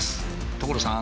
所さん！